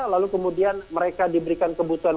lalu kemudian mereka diberikan kebutuhan